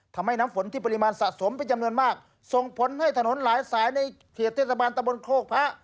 ทำให้น้ำฝนที่ปริมาณสะสมเป็นจำนวนมากส่งผลให้ถนนหลายสายในเขตเทศบาลตะบนโคกพระ